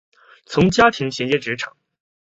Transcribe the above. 从家庭衔接职场